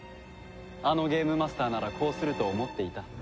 あのゲームマスターならこうすると思っていた。